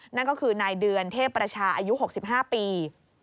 นั่นก็คือนายเดือนเทพประชาอายุ๖๕ปี